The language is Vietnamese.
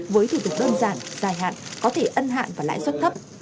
với thủ tục đơn giản dài hạn có thể ân hạn và lãi suất thấp